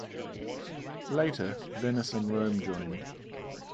Later, Venice and Rome joined.